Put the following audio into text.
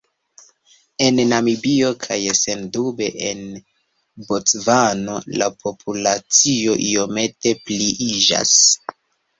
En Namibio kaj sendube en Bocvano, la populacio iomete pliiĝas.